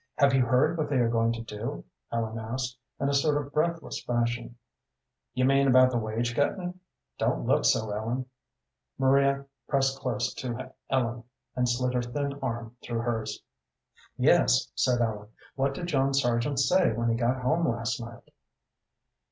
"Have you heard what they are going to do?" Ellen asked, in a sort of breathless fashion. "You mean about the wage cutting? Don't look so, Ellen." Maria pressed close to Ellen, and slid her thin arm through hers. "Yes," said Ellen. "What did John Sargent say when he got home last night?"